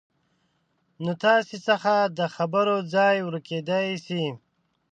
نو تاسې څخه د خبرو ځای ورکېدای شي